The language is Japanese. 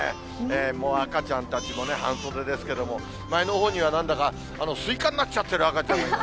もう赤ちゃんたちもね、半袖ですけれども、前のほうにはなんだかスイカになっちゃってる赤ちゃんも。